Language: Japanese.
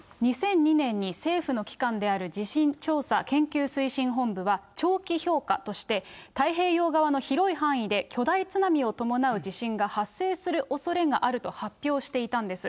２００２年に政府の機関である地震調査研究推進本部は、長期評価として、太平洋側の広い範囲で巨大津波を伴う地震が発生するおそれがあると発表していたんです。